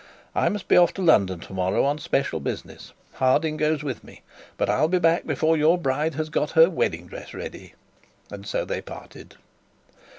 I must be off to London to morrow on special business. Harding goes with me. But I'll be back before your bride has got her wedding dress ready.' And so they parted.